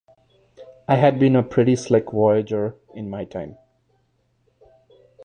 I had been a pretty slick voyager in my time.